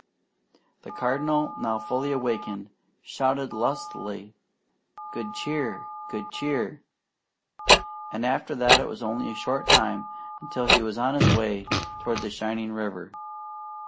The Cardinal, now fully awakened, shouted lustily, "Good Cheer! Good Cheer!" and after that it was only a short time until he was on his way toward the shining river.